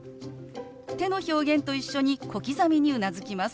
手の表現と一緒に小刻みにうなずきます。